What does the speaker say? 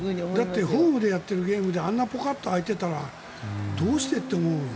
だってホームでやっているゲームであんなにぽかっと空いていたらどうして？って思うよ。